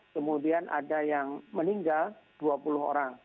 kemudian ada yang meninggal dua puluh orang